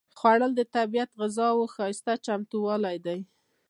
خوړل د طبیعي غذاوو ښايسته چمتووالی دی